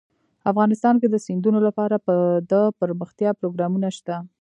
افغانستان کې د سیندونه لپاره دپرمختیا پروګرامونه شته.